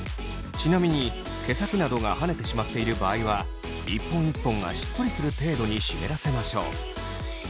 ちなみに毛先などがはねてしまっている場合は１本１本がしっとりする程度に湿らせましょう。